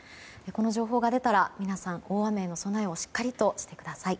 この情報が出たら皆さん大雨への備えをしっかりしてください。